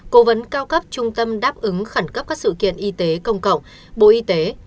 cố vấn cao cấp trung tâm đáp ứng khẩn cấp các sự kiện y tế công cộng bộ y tế